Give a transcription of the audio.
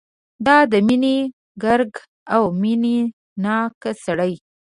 دا د مینې ګرګه او مینه ناک سړی.